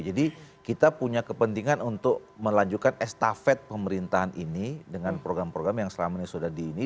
jadi kita punya kepentingan untuk melanjutkan estafet pemerintahan ini dengan program program yang selama ini sudah di ini